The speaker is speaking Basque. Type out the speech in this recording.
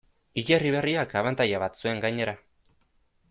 Hilerri berriak abantaila bat zuen gainera.